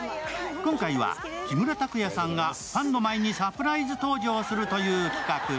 今回は木村拓哉さんがファンの前にサプライズ登場するという企画。